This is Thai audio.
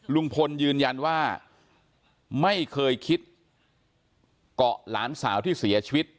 ลุงพลยืนยันว่าไม่เคยคิดเกาะหลานสาวที่เสียชีวิต